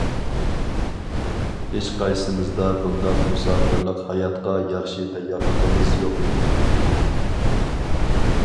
ھېچقايسىمىزدا بۇنداق مۇساپىرلىق ھاياتقا ياخشى تەييارلىقىمىز يوق ئىدى.